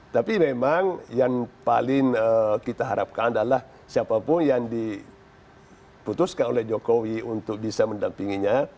tapi memang yang paling kita harapkan adalah siapapun yang diputuskan oleh jokowi untuk bisa mendampinginya